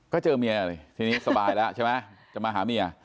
ก็เจอเมียเลยทีนี้สบายแล้วใช่ไหมจะมาหาเมีย